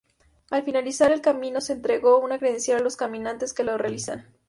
Al finalizar el camino se entrega una credencial a los caminantes que lo realizan.